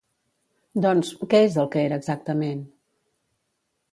Doncs, què és el que era exactament?